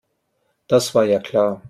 Das war ja klar.